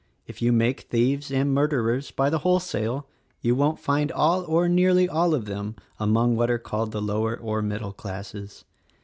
If you make thieves and murderers by the wholesale you won't find all or nearly all of them among what are called the lower or middle classes.